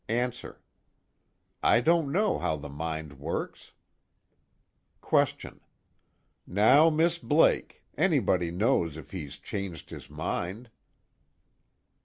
ANSWER: I don't know how the mind works. QUESTION: Now, Miss Blake! Anybody knows if he's changed his mind.